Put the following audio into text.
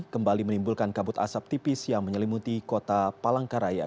kembali menimbulkan kabut asap tipis yang menyelimuti kota palangkaraya